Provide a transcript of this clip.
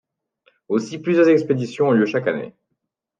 Aussi, plusieurs expéditions ont lieu chaque année.